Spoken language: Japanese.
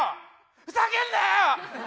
ふざけんなよ！